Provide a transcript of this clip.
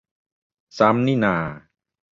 ซ้ำนี่นา